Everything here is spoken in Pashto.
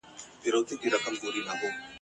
یو د بل خوښي یې غم وي یو د بل په غم خوښیږي ..